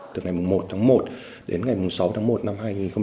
từ ngày một tháng một đến ngày sáu tháng một năm hai nghìn hai mươi